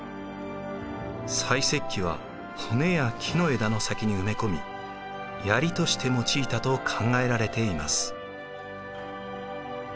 細石器は骨や木の枝の先に埋め込みヤリとして用いたと考えられています。